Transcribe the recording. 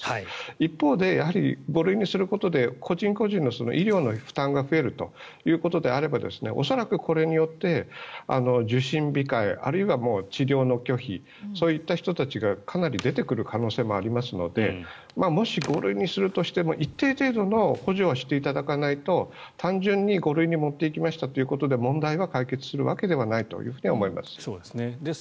一方で５類にすることで個人個人の医療の負担が増えるということであれば恐らく、これによって受診控えあるいは治療の拒否そういった人たちがかなり出てくる可能性もありますのでもし５類にするとしても一定程度の補助をしていただかないと単純に５類に持っていきましたということで問題が解決するわけではないと思います。